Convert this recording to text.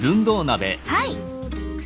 はい。